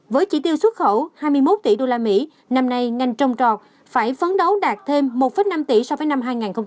với chỉ tiêu xuất khẩu hai mươi một tỷ usd năm nay ngành trồng trọt phải phấn đấu đạt thêm một năm tỷ so với năm hai nghìn một mươi tám